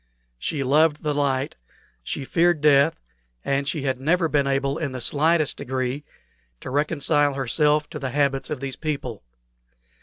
She loved the light, she feared death, and she had never been able in the slightest degree to reconcile herself to the habits of these people.